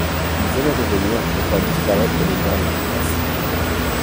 Ils allaient revenir pour faire disparaître les dernières traces.